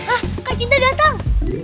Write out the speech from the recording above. ah kak cinta datang